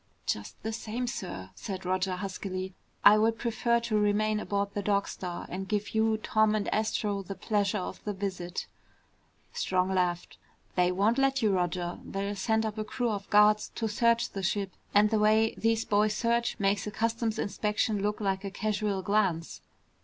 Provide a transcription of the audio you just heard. "Just the same, sir," said Roger huskily, "I would prefer to remain aboard the Dog Star and give you, Tom, and Astro the pleasure of the visit." Strong laughed. "They won't let you, Roger. They'll send up a crew of guards to search the ship. And the way these boys search makes a customs inspection look like a casual glance."